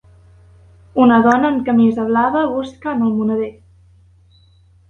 Una dona amb camisa blava busca en el moneder.